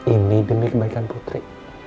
ini demi kebaikan putri